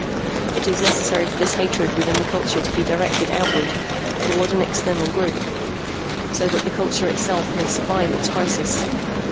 "It is necessary for this hatred within the culture to be directed outward, toward an external group, so that the culture itself may survive its crisis.